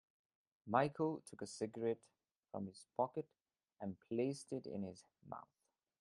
Michael took a cigarette from his pocket and placed it in his mouth.